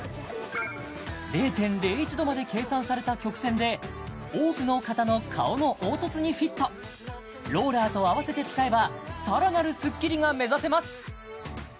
０．０１度まで計算された曲線で多くの方の顔の凹凸にフィットローラーとあわせて使えばさらなるスッキリが目指せます